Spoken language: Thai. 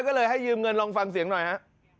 ก็เลยให้ยืมเงินลองฟังเสียงหน่อยฮะ